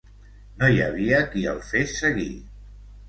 No hi havia qui el fes seguir.